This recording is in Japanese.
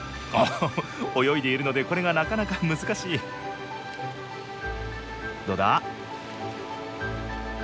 泳いでいるのでこれがなかなか難しいどうだ？